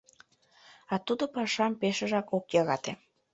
А тудо пашам пешыжак ок йӧрате!